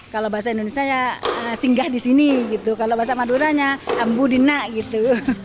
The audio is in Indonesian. kalau bahasa indonesia ya singgah di sini gitu kalau bahasa maduranya ambudina gitu